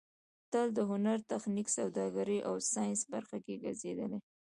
بوتل د هنر، تخنیک، سوداګرۍ او ساینس برخه ګرځېدلی.